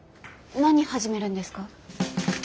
何始めるんですか？